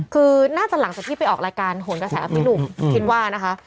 คือน่าจะหลังจากที่ไปออกรายการโหนกระแสพี่หนุ่มคิดว่านะคะ